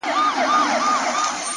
د پامیر لوري یه د ښکلي اریانا لوري؛